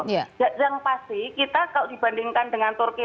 yang pasti kita kalau dibandingkan dengan turki